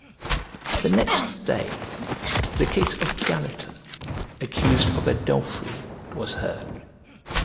The next day, the case of Galitta, accused of adultery, was heard.